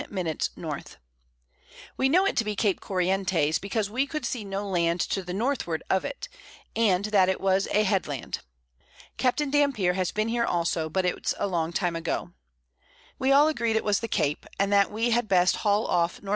N. We know it to be Cape Corientes, because we could see no Land to the Northward of it, and that it was a Head land. Capt. Dampier has been here also, but it's a long Time ago. We all agreed it was the Cape, and that we had best hall off N. W.